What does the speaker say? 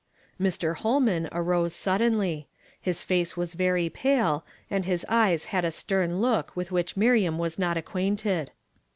Mr. liolman arose suddenly. His face was very pale, and his eyes had a stern look with which Miriam was not acquainted.